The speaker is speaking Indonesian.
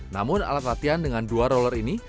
namun alat latihan dengan dua roller ini